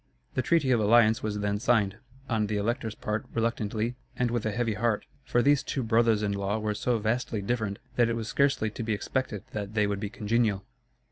The treaty of alliance was then signed, on the Elector's part reluctantly and with a heavy heart; for these two brothers in law were so vastly different, that it was scarcely to be expected that they would be congenial.